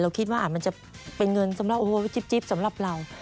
คิดว่ามันจะเป็นเงินสำหรับโอ้โหจิ๊บสำหรับเรา